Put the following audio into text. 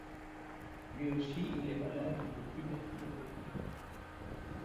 Lui aussi, il est malade de tuberculose.